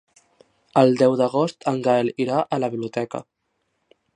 El deu d'agost en Gaël irà a la biblioteca.